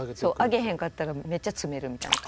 上げへんかったらめっちゃ詰めるみたいな。